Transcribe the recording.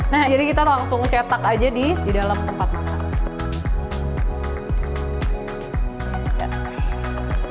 nah jadi kita langsung cetak aja di dalam tempat makan